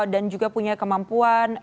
dan juga punya kemampuan